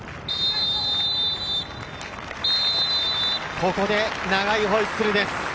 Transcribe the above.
ここで長いホイッスルです。